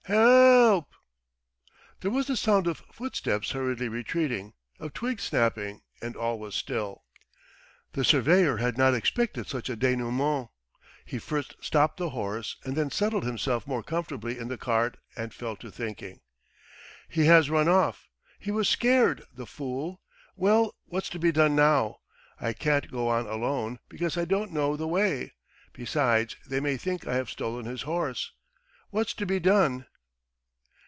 Help!" There was the sound of footsteps hurriedly retreating, of twigs snapping and all was still. ... The surveyor had not expected such a dénouement. He first stopped the horse and then settled himself more comfortably in the cart and fell to thinking. "He has run off ... he was scared, the fool. Well, what's to be done now? I can't go on alone because I don't know the way; besides they may think I have stolen his horse. ... What's to be done?"